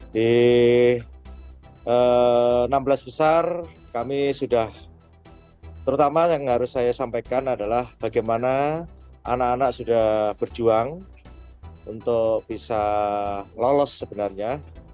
di enam belas besar kami sudah terutama yang harus saya sampaikan adalah bagaimana anak anak sudah berjuang untuk bisa lolos sebenarnya